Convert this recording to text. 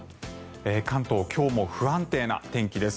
関東、今日も不安定な天気です。